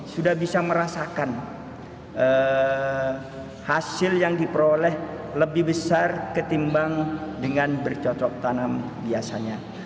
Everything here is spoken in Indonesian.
sudah bisa merasakan hasil yang diperoleh lebih besar ketimbang dengan bercocok tanam biasanya